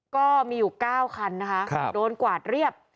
ก็มีอยู่๙คันนะคะโดนกวาดเรียบ